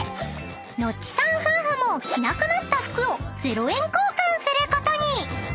［ノッチさん夫婦も着なくなった服を０円交換することに］